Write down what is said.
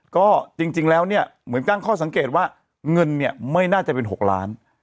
ก็จริงแล้วเนี่ยเหมือนตั้งข้อสังเกตว่าเงินเนี่ยไม่น่าจะเป็น๖ล้าน